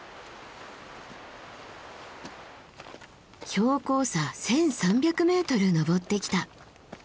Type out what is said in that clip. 標高差１，３００ｍ登ってきた。